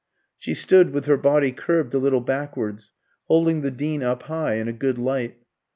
She stood with her body curved a little backwards, holding the Dean up high in a good light.